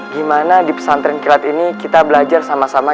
gimana di pesantren kilat ini kita belajar sama sama